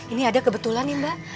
ini ada kebetulan mbak